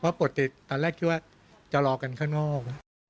เพราะปกติตอนแรกคิดว่าจะรอกันข้างนอก